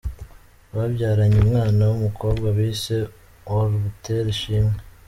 Babyaranye umwana w’umukobwa bise ’Or Butera Ishimwe’.